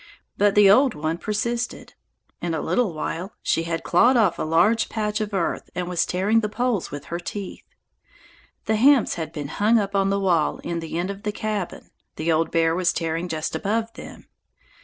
But the old one persisted. In a little while she had clawed off a large patch of earth and was tearing the poles with her teeth. The hams had been hung up on the wall in the end of the cabin; the old bear was tearing just above them.